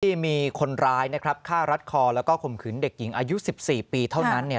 ที่มีคนร้ายนะครับฆ่ารัดคอแล้วก็ข่มขืนเด็กหญิงอายุ๑๔ปีเท่านั้นเนี่ย